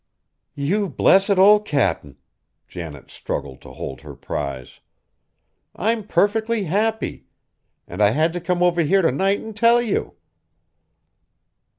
"You blessed old Cap'n!" Janet struggled to hold her prize. "I'm perfectly happy! And I had to come over here to night and tell you."